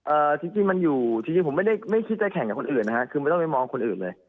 จริงจริงมันอยู่จริงจริงผมไม่ได้ไม่คิดจะแข่งกับคนอื่นนะฮะคือไม่ต้องไปมองคนอื่นเลย